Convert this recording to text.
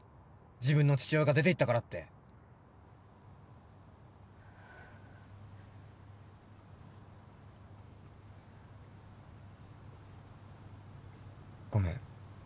自分の父親が出ていったからって。ごめん。